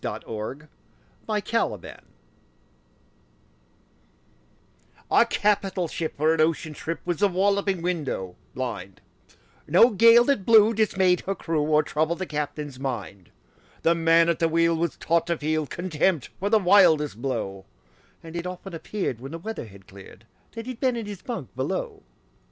Y Z A Nautical Ballad A CAPITAL ship for an ocean trip Was The Walloping Window blind No gale that blew dismayed her crew Or troubled the captain's mind. The man at the wheel was taught to feel Contempt for the wildest blow, And it often appeared, when the weather had cleared, That he'd been in his bunk below.